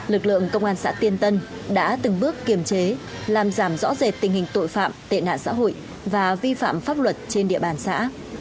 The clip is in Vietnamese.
lực lượng công an xã tiên tân đã từng bước kiềm chế làm giảm rõ rệt tình hình tội phạm tệ nạn xã hội và vi phạm pháp luật trên địa bàn xã